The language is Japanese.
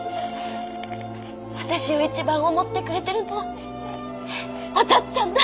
私を一番思ってくれてるのはお父っつぁんだ！